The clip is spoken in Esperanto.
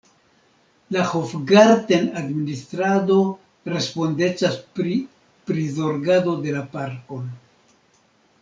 La Hofgarten-administrado respondecas pri prizorgado de la parkon.